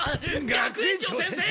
学園長先生！